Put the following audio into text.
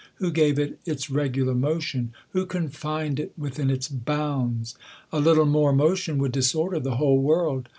Who gave it its regular motion ? Who confined it within its bounds ? A little more mo tion would disorder the whole world